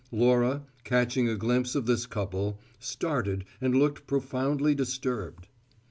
Laura, catching a glimpse of this couple, started and looked profoundly disturbed.